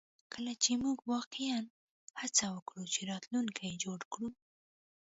کله چې موږ واقعیا هڅه وکړو چې راتلونکی جوړ کړو